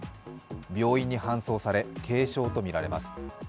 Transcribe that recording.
病院に搬送され軽傷とみられます。